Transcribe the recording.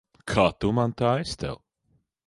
Kā tu man, tā es tev.